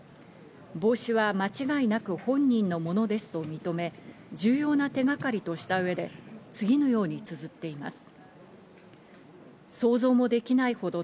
帽子は間違いなく本人のものですと認め、重要な手がかりとした上で、次のように綴っています。